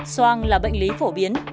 soang là bệnh lý phổ biến